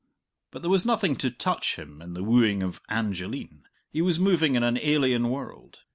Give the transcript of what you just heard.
But there was nothing to touch him in "The Wooing of Angeline;" he was moving in an alien world.